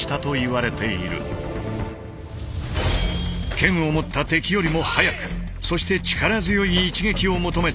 剣を持った敵よりも速くそして力強い一撃を求めた神技。